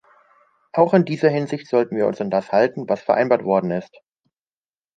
Auch in dieser Hinsicht sollten wir uns an das halten, was vereinbart worden ist.